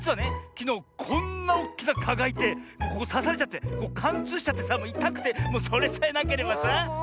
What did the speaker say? きのうこんなおっきな「か」がいてここさされちゃってかんつうしちゃってさもういたくてもうそれさえなければさ。